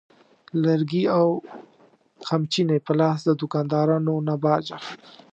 لرګي او قمچینې په لاس د دوکاندارانو نه باج اخلي.